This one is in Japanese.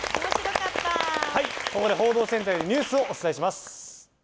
ここで報道センターよりニュースをお伝えします。